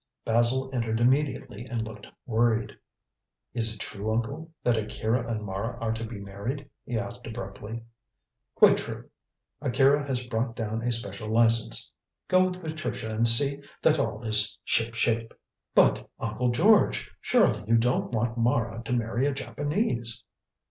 Basil entered immediately and looked worried. "Is it true, uncle, that Akira and Mara are to be married?" he asked abruptly. "Quite true. Akira has brought down a special license. Go with Patricia and see that all is shipshape." "But, Uncle George, surely you don't want Mara to marry a Japanese?"